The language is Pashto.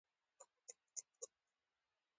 یو بل ډول خوند به مې ترې اخیسته.